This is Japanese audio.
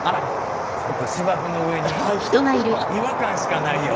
ちょっと芝生の上に違和感しかないよ。